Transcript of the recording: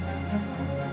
ya pak adrian